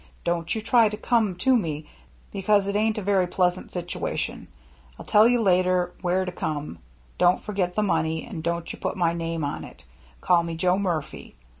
Don't you try to come to me because it ain't a very pleasent situation I'll tell you later where to come don't forget the money and don't you put my name on it call me Joe Murphy.